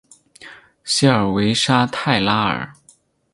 谢尔韦沙泰拉尔。